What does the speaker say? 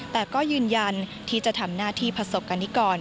แต่ก็ยืนยันที่จะทำหน้าที่ผสกกันที่ก่อน